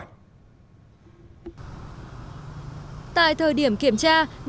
tại thời điểm kiểm tra bộ giao thông vận tải đã đưa ra một nội dung đưa ra lấy ý kiến